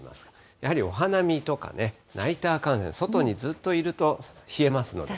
やはりお花見とかね、ナイター観戦、外にずっといると、冷えますので。